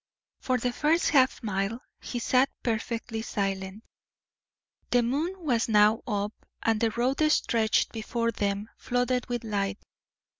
For the first half mile he sat perfectly silent. The moon was now up, and the road stretched before them, flooded with light.